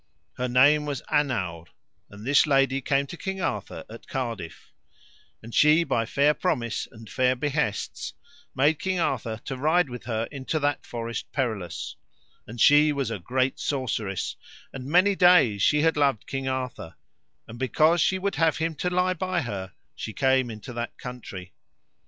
Her name was Annowre, and this lady came to King Arthur at Cardiff; and she by fair promise and fair behests made King Arthur to ride with her into that Forest Perilous; and she was a great sorceress; and many days she had loved King Arthur, and because she would have him to lie by her she came into that country.